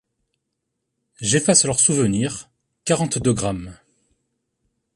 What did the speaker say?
J’efface leurs souvenirs. quarante-deux grammes.